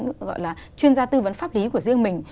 gọi là chuyên gia tư vấn pháp lý của riêng mình